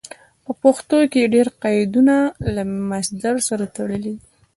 په پښتو کې ډېر قیدونه له مصدر سره تړلي دي.